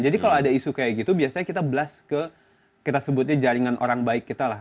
jadi kalau ada isu kayak gitu biasanya kita blast ke jaringan orang baik kita lah